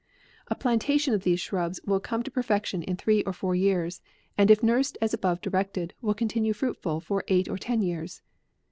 A plantation of these shrubs will come to perfection in three or four years, and if nun* 52 APRIL. ed as above directed, will continue fruitful for eight or ten years.